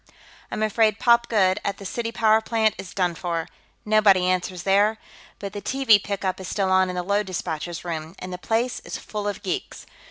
I'm afraid Pop Goode, at the city power plant, is done for; nobody answers there, but the TV pickup is still on in the load dispatcher's room, and the place is full of geeks.